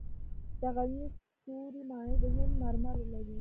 د غزني ستوري ماڼۍ د هند مرمرو لري